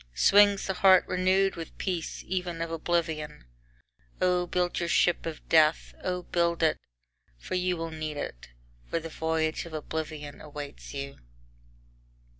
Swings the heart renewed with peace even of oblivion. Oh build your ship of death. Oh build it! for you will need it. For the voyage of oblivion awaits you.